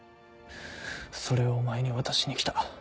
それをお前に渡しに来た